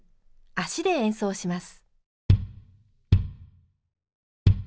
足で演奏します。